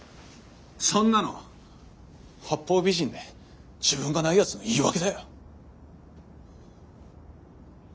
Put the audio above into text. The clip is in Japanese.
そんなの八方美人で自分がないヤツの言い訳だよ！